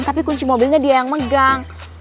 tapi kunci mobilnya dia yang megang